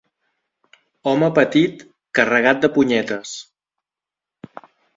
Home petit, carregat de punyetes.